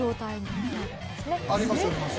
ありますあります。